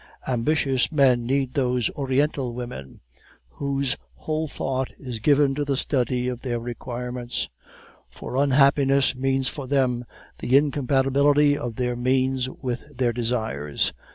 Ambitious men need those Oriental women whose whole thought is given to the study of their requirements; for unhappiness means for them the incompatibility of their means with their desires.